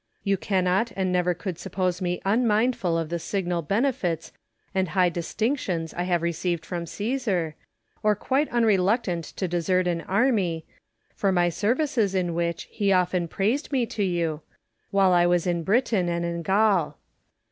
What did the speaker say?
You cannot and never could suppose me unmindful of the signal benefits and high distinctions I have received from Csesar, or quite unreluctant to desert an army, for my services in which he often praised me to you, while I was in Britain and in 3i6 IMAGINARY CONVERSATIONS. Gaul.